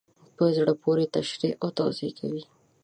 په زړه پوري تشریح او توضیح کوي.